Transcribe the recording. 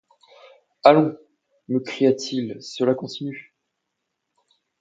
Allons ! me cria-t-il, cela continue !